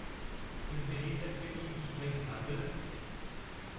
Müssten wir diesbezüglich nicht dringend handeln?